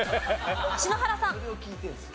篠原さん。